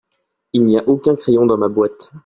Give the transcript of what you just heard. Il n'y a aucun crayon dans ma boîte.